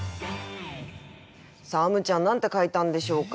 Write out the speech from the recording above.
あむちゃん何て書いたんでしょうか。